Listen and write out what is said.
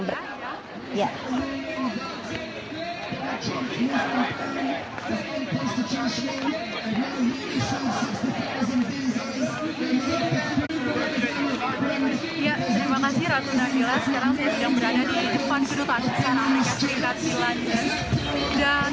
terima kasih ratu nabila sekarang saya sedang berada di depan kedutaan amerika serikat di london